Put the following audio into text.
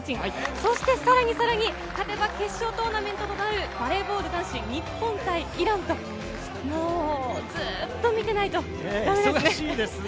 そしてさらに勝てば決勝トーナメントとなるバレーボール男子、日本対イランと、ずっと見てないとダメですね。